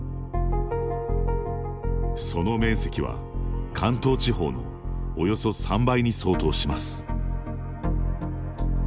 その面積は、関東地方のおよそ３倍に相当します。